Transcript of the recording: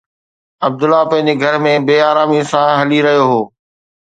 عبدالله پنهنجي گهر ۾ بي آراميءَ سان هلي رهيو هو